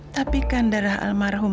tapi kandara almarhum aku